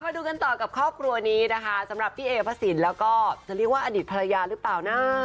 ดูกันต่อกับครอบครัวนี้นะคะสำหรับพี่เอพระสินแล้วก็จะเรียกว่าอดีตภรรยาหรือเปล่านะ